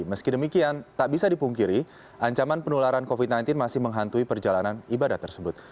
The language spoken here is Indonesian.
meski demikian tak bisa dipungkiri ancaman penularan covid sembilan belas masih menghantui perjalanan ibadah tersebut